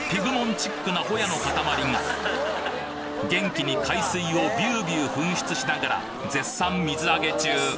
チックなホヤのカタマリが元気に海水をビュービュー噴出しながら絶賛水揚げ中！